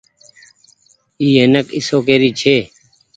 اي اينڪ اشوڪي ري ڇي۔